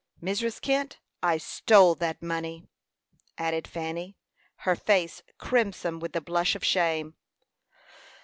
"Mrs. Kent, I stole that money!" added Fanny, her face crimson with the blush of shame.